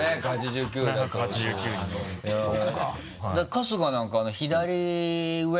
春日なんか左上？